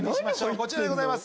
こちらでございます。